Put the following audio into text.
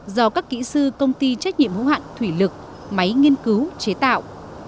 do các kỹ sư công ty trách nhiệm hữu hạn thủy lực máy nghiên cứu chế tạo